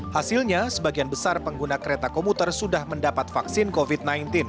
hasilnya sebagian besar pengguna kereta komuter sudah mendapat vaksin covid sembilan belas